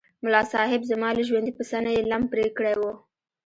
ملاصاحب! زما له ژوندي پسه نه یې لم پرې کړی و.